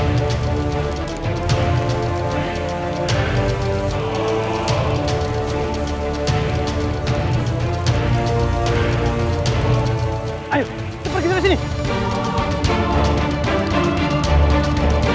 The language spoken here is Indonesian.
ya allah aku segera keluar